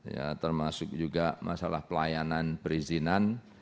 ya termasuk juga masalah pelayanan perizinan